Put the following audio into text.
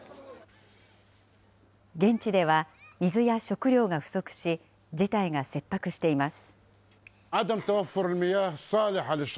現地では、水や食料が不足し、事態が切迫しています。